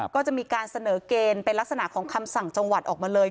ก็จะมีการเสนอเกณฑ์เป็นลักษณะของคำสั่งจังหวัดออกมาเลย